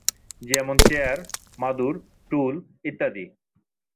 যেমন চেয়ার, মাদুর, টুল ইত্যাদি।